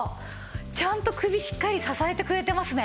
ちゃんと首しっかり支えてくれてますね！